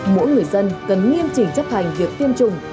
mỗi người dân cần nghiêm chỉnh chấp hành việc tiêm chủng